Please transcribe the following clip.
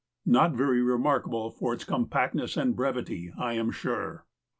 Not very remarkable for its compactness and brevity, I am sure.